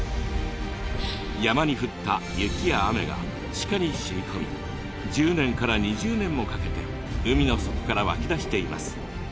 山に降った雪や雨が地下にしみこみ１０年から２０年もかけて海の底から湧き出しています。